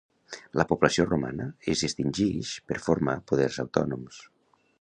La població romana es distingix per formar poders autònoms.